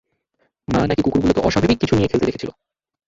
মা নাকি কুকুরগুলোকে অস্বাভাবিক কিছু নিয়ে খেলতে দেখেছিলো।